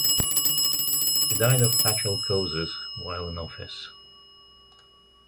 He died of natural causes while in office.